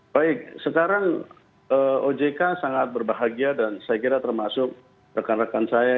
baik sekarang ojk sangat berbahagia dan saya kira termasuk rekan rekan saya